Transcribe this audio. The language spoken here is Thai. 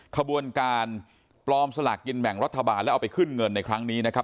ขบวนการปลอมสลากกินแบ่งรัฐบาลแล้วเอาไปขึ้นเงินในครั้งนี้นะครับ